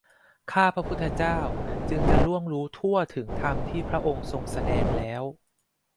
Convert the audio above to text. ข้าพระพุทธเจ้าจึงจะรู้ทั่วถึงธรรมที่พระองค์ทรงแสดงแล้ว